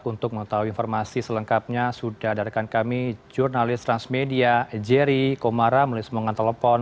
untuk mengetahui informasi selengkapnya sudah ada rekan kami jurnalis transmedia jerry komara melalui semuanya telepon